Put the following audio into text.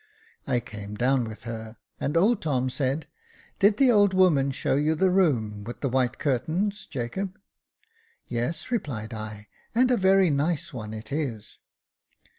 I came down with her, and old Tom said, " Did the old woman show you the room with the white curtains, Jacob ?"" Yes," replied I, " and a very nice one it is."